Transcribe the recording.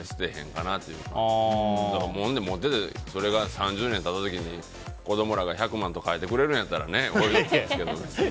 持っていてそれが３０年経った時に子供らが１００万と変えてくれるんやったらうれしいですけど。